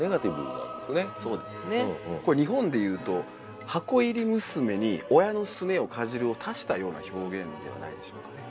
これ日本で言うと「箱入り娘」に「親のすねをかじる」を足したような表現ではないでしょうかね。